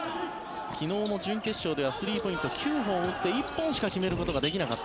昨日の準決勝ではスリーポイント９本打って１本しか決めることができなかった。